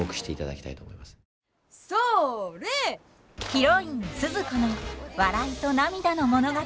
ヒロインスズ子の笑いと涙の物語。